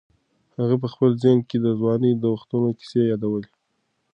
هغه په خپل ذهن کې د ځوانۍ د وختونو کیسې یادولې.